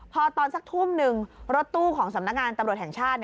พอตอนสักทุ่มหนึ่งรถตู้ของสำนักงานตำรวจแห่งชาติ